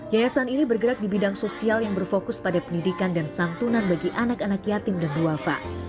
yayasan ini bergerak di bidang sosial yang berfokus pada pendidikan dan santunan bagi anak anak yatim dan duafa